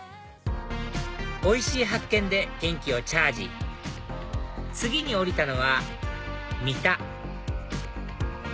おいしい発見で元気をチャージ次に降りたのは三田